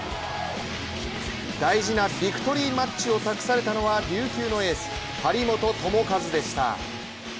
大事なビクトリーマッチを託されたのは琉球のエース張本智和でした。